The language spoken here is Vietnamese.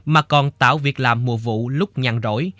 mà còn tạo việc làm mùa vụ lúc nhàn rỗi